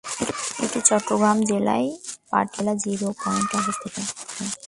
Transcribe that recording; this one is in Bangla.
এটি চট্টগ্রাম জেলার পটিয়া উপজেলার জিরো পয়েন্টে অবস্থিত।